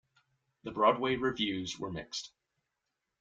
The Broadway reviews were mixed.